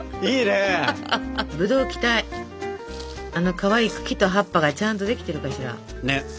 あのかわいい茎と葉っぱがちゃんとできてるかしら。ね。